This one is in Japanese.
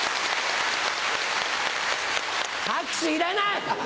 拍手いらない！